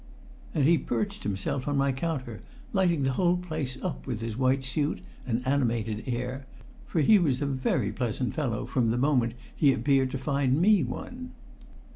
And he perched himself on my counter, lighting the whole place up with his white suit and animated air; for he was a very pleasant fellow from the moment he appeared to find me one.